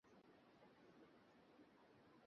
তিনি এবার শিক্ষকতা শুরু করলেন।